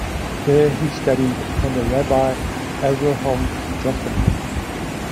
There, he studied under Rabbi Avrohom Jofen.